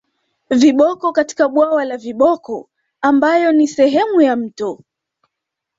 Viboko katika bwawa la viboko ambayo ni sehemu ya mto